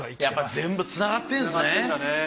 やっぱ全部つながってんすね。